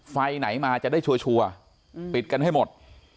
ไฟไหนมาจะได้ชัวร์ปิดกันให้หมด